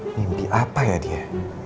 mimpi apa ya dia